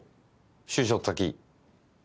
就職先。